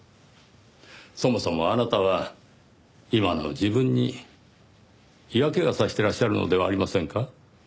そもそもあなたは今の自分に嫌気が差してらっしゃるのではありませんか？